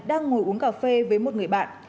đang ngồi uống cà phê với một người bạn